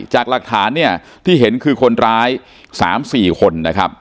จากหลักฐานที่เห็นคือคนร้าย๓๔คน